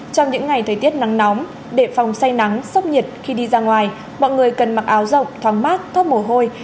trong những ngày thời tiết nắng nóng để phòng say nắng sốc nhiệt khi đi ra ngoài mọi người cần mặc áo rộng thoáng mát thóc mồ hôi